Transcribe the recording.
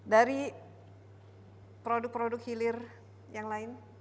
dari produk produk hilir yang lain